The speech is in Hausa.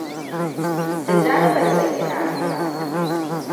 Tijjani bai san ina nan ba.